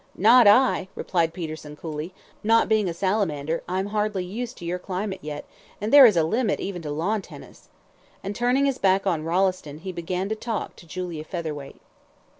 "Not I," replied Peterson, coolly. "Not being a salamander, I'm hardly used to your climate yet, and there is a limit even to lawn tennis;" and turning his back on Rolleston, he began to talk to Julia Featherweight.